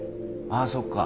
ああそっか。